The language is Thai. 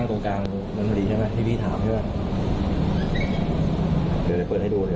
โดยยังพกติบันไดมากเชิงไหนอยู่ด้วยครับ